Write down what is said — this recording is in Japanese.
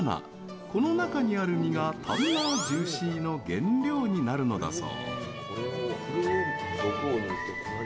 この中にある実がタンナージューシーの原料になるのだそう。